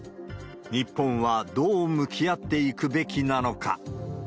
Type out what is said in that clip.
日本はどう向き合っていくべきなのか。